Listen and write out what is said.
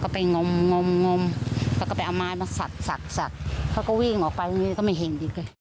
เขาก็วิ่งออกไปเลี้ยวกับมีมีสิ่งที่ไม่เห็น